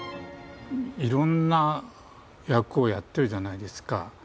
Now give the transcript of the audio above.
いろんな役をやってるじゃないですか。